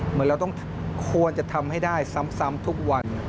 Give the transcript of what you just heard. เหมือนเราต้องควรจะทำให้ได้ซ้ำทุกวัน